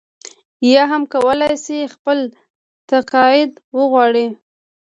یا هم کولای شي خپل تقاعد وغواړي.